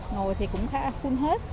ngồi thì cũng khá là full hết